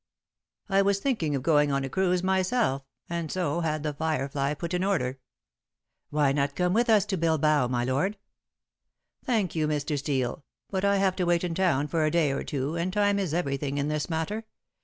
I was thinking of going on a cruise myself, and so had The Firefly put in order." "Why not come with us to Bilbao, my lord?" "Thank you, Mr. Steel, but I have to wait in town for a day or two, and time is everything in this matter.